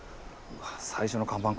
最初の看板